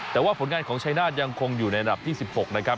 แต่ว่าผลงานของชายนาฏยังคงอยู่ในอันดับที่๑๖นะครับ